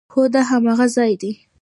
هو، دا هماغه ځای ده